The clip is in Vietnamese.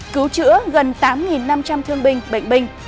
cứu chữa gần tám năm trăm linh thương binh bệnh binh